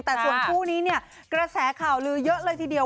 แต่ส่วนคู่นี้เนี่ยกระแสข่าวลือเยอะเลยทีเดียว